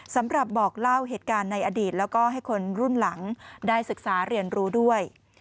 สำหรับบอกเล่าเหตุการณ์ในอดีตแล้วก็ให้คนรุ่นหลังได้ศึกษาเรียนรู้ด้วย